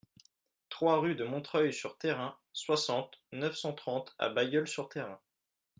trois rue de Montreuil sur Thérain, soixante, neuf cent trente à Bailleul-sur-Thérain